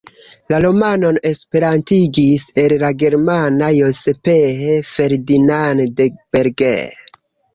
La romanon esperantigis el la germana Joseph Ferdinand Berger.